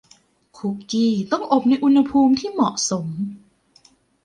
คุกกี้ต้องอบในอุณหภูมิที่เหมาะสม